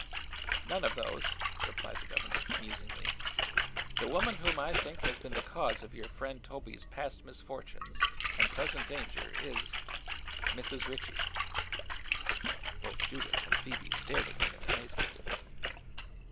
"None of those," replied the governor, musingly. "The woman whom I think has been the cause of your friend Toby's past misfortunes and present danger is Mrs. Ritchie." Both Judith and Phoebe stared at him in amazement.